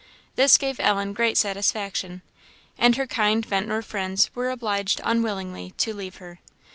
This gave Ellen great satisfaction; and her kind Ventnor friends were obliged unwillingly to leave her.